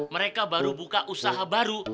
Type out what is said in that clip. mereka baru buka usaha baru